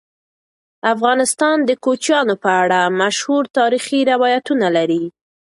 افغانستان د کوچیانو په اړه مشهور تاریخی روایتونه لري.